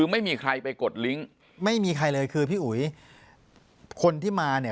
ไม่มีใครไปกดลิงค์ไม่มีใครเลยคือพี่อุ๋ยคนที่มาเนี่ย